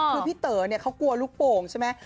คือพี่เต๋อเขากลัวลูกโป่งใช่ไหม